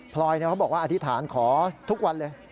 พลอยเขาบอกว่าอธิษฐานขอทุกวันเลย